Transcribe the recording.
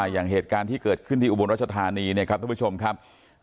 อย่างเหตุการณ์ที่เกิดขึ้นที่อุบลรัชธานีเนี่ยครับทุกผู้ชมครับ